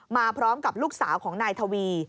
มาพร้อมกับลูกสาวของนายทวี